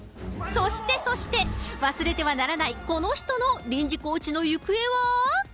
そして、そして、忘れてはならないこの人の臨時コーチの行方は？